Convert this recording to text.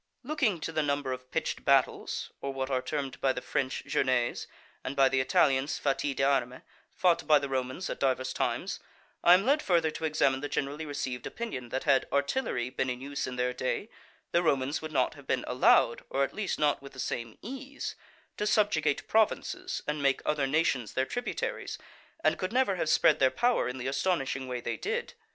_ Looking to the number of pitched battles, or what are termed by the French journées, and by the Italians fatti d'arme, fought by the Romans at divers times, I am led further to examine the generally received opinion, that had artillery been in use in their day, the Romans would not have been allowed, or at least not with the same ease, to subjugate provinces and make other nations their tributaries, and could never have spread their power in the astonishing way they did.